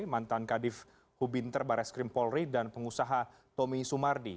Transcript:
mantan kadif hubinter barreskrim polri dan pengusaha tommy sumardi